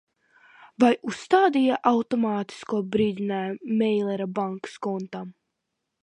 Vai uzstādīji automātisko brīdinājumu Meilera bankas kontam?